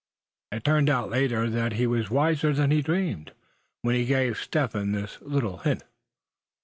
It turned out later that he was wiser than he dreamed, when he gave Step Hen this little hint.